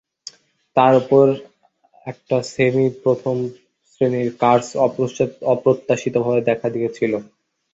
তার উপর, একটা সেমি-প্রথম শ্রেণির কার্স অপ্রত্যাশিতভাবে দেখা দিয়েছিলো।